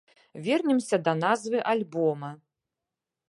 Вернемся да назвы альбома.